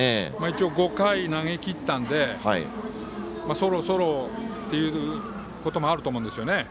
一応５回投げきったのでそろそろっていうこともあると思うんですよね。